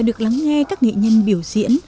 và được lắng nghe các nghệ nhân biểu diễn